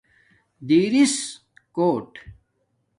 دِریس کوٹ